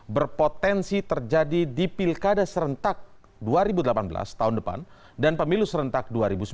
berpotensi terjadi di pilkada serentak dua ribu delapan belas tahun depan dan pemilu serentak dua ribu sembilan belas